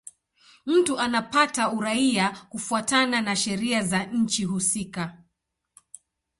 Mtu anapata uraia kufuatana na sheria za nchi husika.